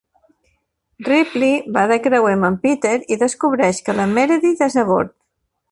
Ripley va de creuer amb en Peter i descobreix que la Meredith és a bord.